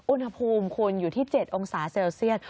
อุณหภูมิคุณอยู่ที่๗องศาเซลเซียส